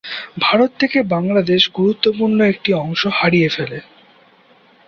ভারত থেকে বাংলাদেশ গুরুত্বপূর্ণ একটা অংশ হারিয়ে ফেলে।